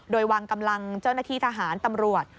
โดยวางกำลังเจ้าหน้าที่ทหารตำรวจ